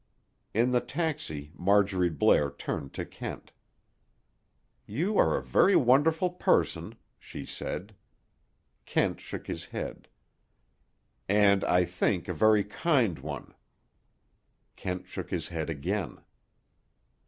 In the taxi, Marjorie Blair turned to Kent. "You are a very wonderful person," she said—Kent shook his head—"and, I think, a very kind one." Kent shook his head again.